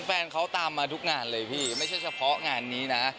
แฟนเขาตามมาทุกงานเลยพี่ไม่ใช่เฉพาะงานนี้นะ